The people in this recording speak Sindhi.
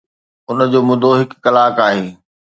ان جو مدو هڪ ڪلاڪ آهي